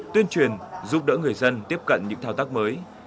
tuyên truyền giúp đỡ người dân tiếp cận những thao tác mới